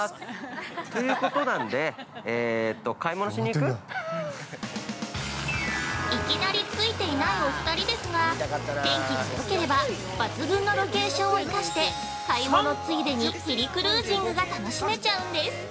ということなんで買い物しに行く？◆いきなりツイていないお二人ですが、天気がよければ抜群のロケーションを生かして買い物ついでにヘリクルージングが楽しめちゃうんです！